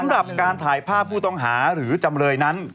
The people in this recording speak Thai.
สำหรับการถ่ายภาพผู้ต้องหาหรือจำเลยนั้น